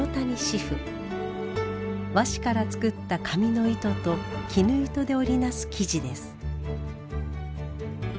和紙から作った紙の糸と絹糸で織りなす生地です。